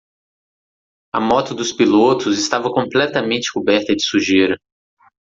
A moto dos pilotos estava completamente coberta de sujeira.